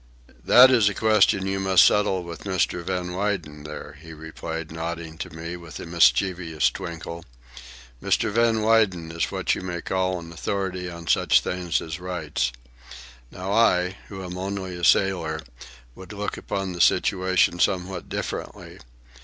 "That is a question you must settle with Mr. Van Weyden there," he replied, nodding to me with a mischievous twinkle. "Mr. Van Weyden is what you may call an authority on such things as rights. Now I, who am only a sailor, would look upon the situation somewhat differently.